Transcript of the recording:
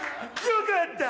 よかった！